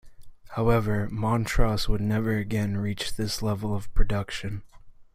However, Montross would never again reach this level of production.